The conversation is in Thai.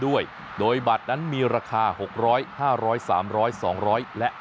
กุญสือทีมชาติไทยเปิดเผยว่าน่าจะไม่มีปัญหาสำหรับเกมในนัดชนะเลิศครับ